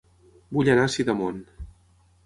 Vull anar a Sidamon